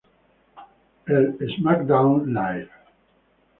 El SmackDown Live!